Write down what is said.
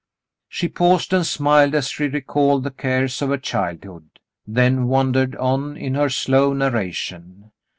She paused and smiled as she recalled the cares of her childhood, then wandered on in her slow narration.